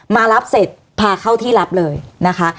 มารับเสร็จพาเข้าที่รับเลยนะคะ